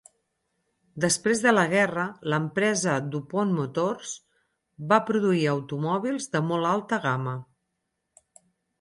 Després de la guerra, l'empresa Du Pont Motors va produir automòbils de molt alta gama.